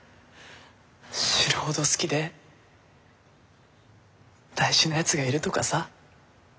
死ぬほど好きで大事なやつがいるとかさ。